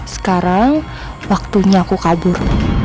sekarang waktunya aku kabur